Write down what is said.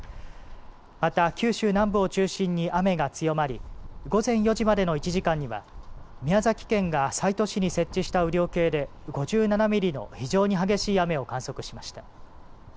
また九州南部を中心に雨が強まり午前４時までの１時間には宮崎県が西都市に設置した雨量計で５７ミリの非常に激しい雨を観測しました。